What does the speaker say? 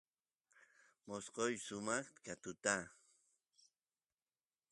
mosqoysh sumaqta ka katuta